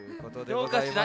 どうかしら？